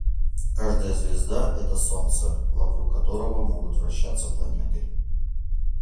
Каждая звезда - это солнце, вокруг которого могут вращаться планеты.